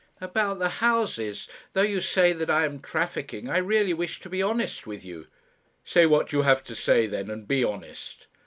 "About the houses though you say that I am trafficking, I really wish to be honest with you." "Say what you have to say, then, and be honest."